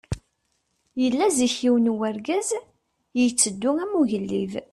Yella zik yiwen n urgaz, yetteddu am ugellid.